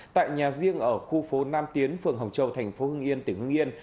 tại nhà riêng ở khu phố nam tiến phường hồng châu thành phố hưng yên tỉnh hưng yên